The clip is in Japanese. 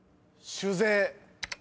酒税。